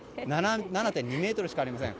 ７．２ｍしかありません。